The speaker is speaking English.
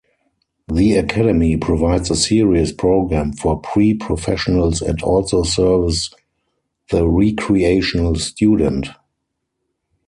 The academy provides a serious program for pre-professionals and also serves the recreational student.